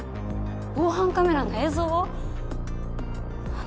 防犯カメラの映像を？